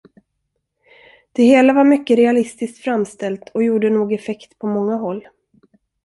Det hela var mycket realistiskt framställt och gjorde nog effekt på många håll.